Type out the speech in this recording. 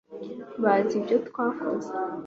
bazi ibyo twakoze